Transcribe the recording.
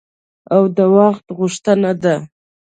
او د وخت غوښتنه ده.